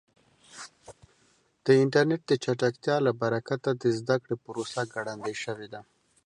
د انټرنیټ د چټکتیا له برکته د زده کړې پروسه ګړندۍ شوې ده.